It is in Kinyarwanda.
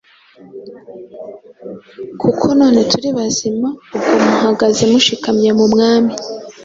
kuko none turi bazima, ubwo muhagaze mushikamye mu Mwami.